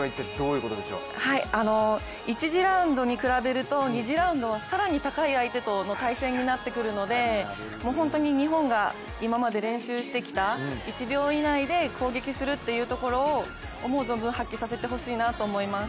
１次ラウンドに比べると２次ラウンドは更に高い相手との対戦になってくるので本当に日本が今まで練習してきた１秒以内に攻撃するということを思う存分発揮させてほしいなと思います。